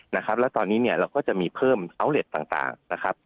นะครับแล้วตอนนี้เนี่ยเราก็จะมีเพิ่มอัลเล็ตต่างนะครับ